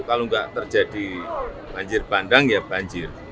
kalau nggak terjadi banjir bandang ya banjir